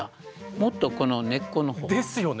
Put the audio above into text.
もっとこの根っこの方。ですよね。